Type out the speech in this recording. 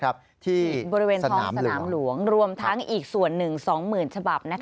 ที่บริเวณท้องสนามหลวงรวมทั้งอีกส่วนหนึ่ง๒๐๐๐ฉบับ